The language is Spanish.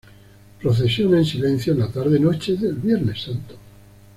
Procesiona en silencio en la tarde-noche del Viernes Santo.